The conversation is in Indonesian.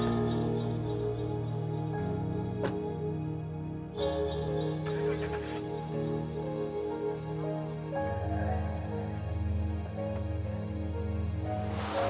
nih kita mau ke depan